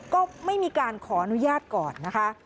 ก็ไม่มีการขออนุญาตก่อนนะคะ